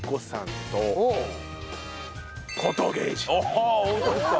ああホントですか？